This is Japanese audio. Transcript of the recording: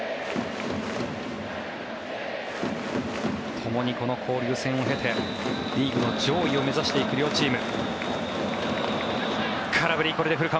ともにこの交流戦を経てリーグの上位を目指していく両チーム。